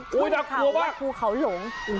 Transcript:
เพราะว่าครูเขาหลง